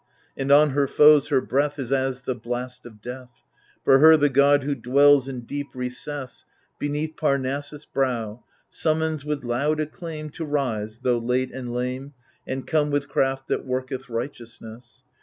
And on her foes her breath Is as the blast of death ; For her the god who dwells in deep recess Beneath Parnassus' brow, Summons with loud acclaim To rise, though late and lame, And come with craft that worketh righteousness.